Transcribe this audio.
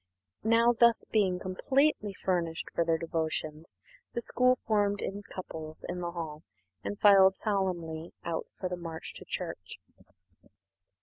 Now, being thus completely furnished for their devotions, the school formed in couples in the hall and filed solemnly out for the march to church.